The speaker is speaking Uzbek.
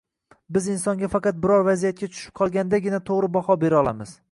Biz insonga faqat biror vaziyatga tushib qolgandagina to‘g‘ri baho bera olamiz.